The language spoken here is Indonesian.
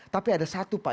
tapi ada satu pak